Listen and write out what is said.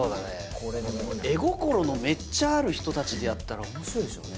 これでも絵心のめっちゃある人たちでやったらおもしろいでしょうね